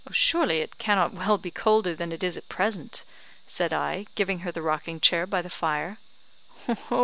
"Surely it cannot well be colder than it is at present," said I, giving her the rocking chair by the fire.